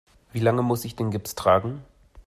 Wie lange muss ich den Gips tragen?